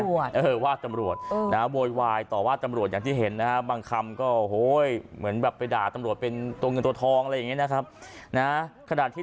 อยู่นั่นแหละว่าตำรวจนะโบวายต่อว่าตำรวจอยู่นะบางคำก็โอ้ยเหมือนแบบไปต่างรวดเป็นตัวอย่างนี้น่ะครับในคราวตำรวจเองก็พยายามอธิบาย